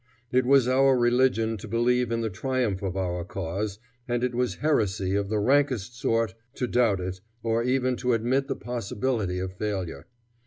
It was our religion to believe in the triumph of our cause, and it was heresy of the rankest sort to doubt it or even to admit the possibility of failure.